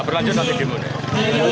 berlanjut nanti gimana